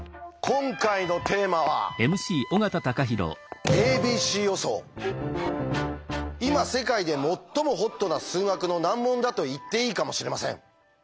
今回のテーマは今世界で最もホットな数学の難問だと言っていいかもしれません。